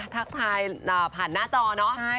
ทักทายผ่านหน้าจอเนอะ